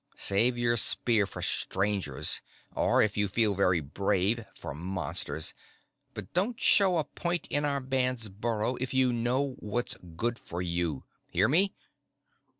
Save your spear for Strangers, or if you feel very brave for Monsters. But don't show a point in our band's burrow if you know what's good for you, hear me?"